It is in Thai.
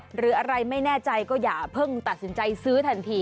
หรืออะไรไม่แน่ใจก็อย่าเพิ่งตัดสินใจซื้อทันที